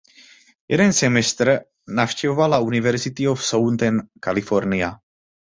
Jeden semestr navštěvovala University of Southern California.